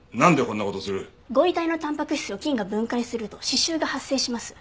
ご遺体のタンパク質を菌が分解すると死臭が発生します。